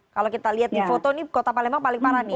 kalau kita lihat di foto ini kota palembang paling parah nih